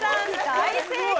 大正解！